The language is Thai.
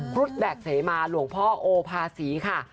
ครุฑแบ็คเสมาหลวงพ่อโอภาษีค่ะ